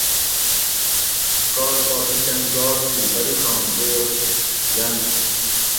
کال پا پِشین گات تھی بریڛاں دوس یۤنت